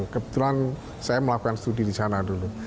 kebetulan saya melakukan studi di sana dulu